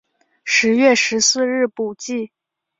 十月十四日补记。